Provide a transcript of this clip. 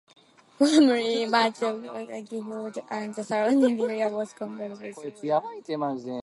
Formerly much of Broughton Gifford and the surrounding area was covered with woodland.